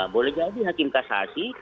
boleh jadi hakim kasasi